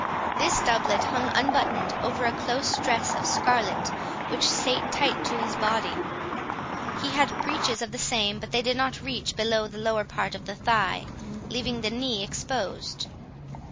This doublet hung unbuttoned over a close dress of scarlet which sat tight to his body; he had breeches of the same, but they did not reach below the lower part of the thigh, leaving the knee exposed.